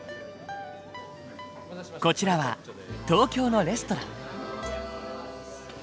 こちらは東京のレストラン。